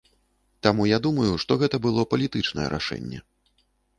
Таму я думаю, што гэта было палітычнае рашэнне.